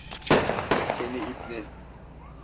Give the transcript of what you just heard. Seni ibne!